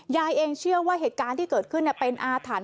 ยายเองเชื่อว่าเหตุการณ์ที่เกิดขึ้นเป็นอาถรรพ